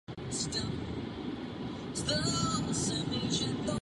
Vystudoval filozofii na pražské německé univerzitě.